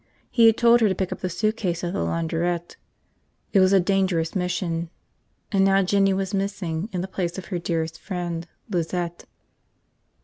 He had told her to pick up the suitcase at the launderette. It was a dangerous mission. And now Jinny was missing in the place of her dearest friend, Lizette.